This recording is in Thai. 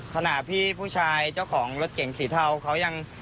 ขณะพี่ผู้ชายเจ้าของรถเก่งสีเทาเขายัง